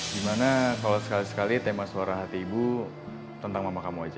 gimana kalau sekali sekali tema suara hati ibu tentang mama kamu aja